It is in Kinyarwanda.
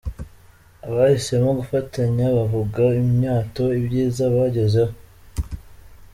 Abahisemo gufatanya bavuga imyato ibyiza bagezeho .